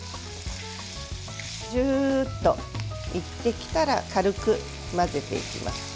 ジューッといってきたら軽く混ぜていきます。